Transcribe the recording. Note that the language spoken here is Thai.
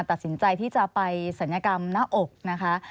ตัดสินใจที่จะไปศัลยกรรมหน้าอกนะคะ